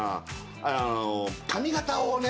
あの髪形をね。